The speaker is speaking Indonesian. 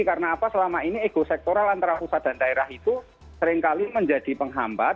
karena apa selama ini ekosektoral antara pusat dan daerah itu seringkali menjadi penghambat